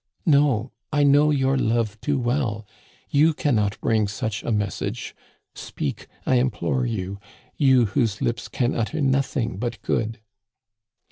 No, I know your love too well ; you can not bring such a message. Speak, I implore you, you whose lips can utter nothing but good